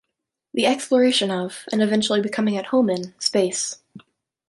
The exploration of, and eventually becoming at home in, space.